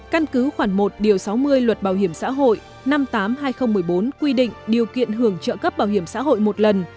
căn cứ khoảng một điều sáu mươi luật bảo hiểm xã hội năm mươi tám hai nghìn một mươi bốn quy định điều kiện hưởng trợ cấp bảo hiểm xã hội một lần